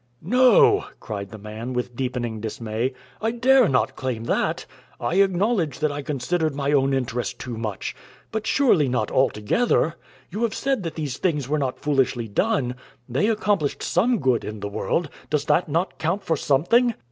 "No," cried the man, with deepening dismay, "I dare not claim that. I acknowledge that I considered my own interest too much. But surely not altogether. You have said that these things were not foolishly done. They accomplished some good in the world. Does not that count for something?"